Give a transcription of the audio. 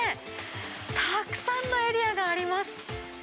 たくさんのエリアがあります。